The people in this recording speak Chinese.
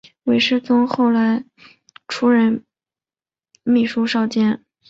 韦士宗后来出任秘书少监。